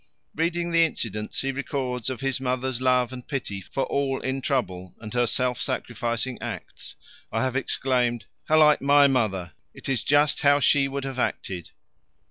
Reading the incidents he records of his mother's love and pity for all in trouble and her self sacrificing acts, I have exclaimed: "How like my mother! It is just how she would have acted!"